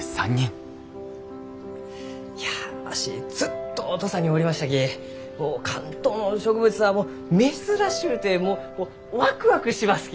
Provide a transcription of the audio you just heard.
いやわしずっと土佐におりましたき関東の植物はもう珍しゅうてもうワクワクしますき！